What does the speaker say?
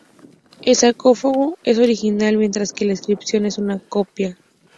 El sarcófago es original, mientras que la inscripción es una copia.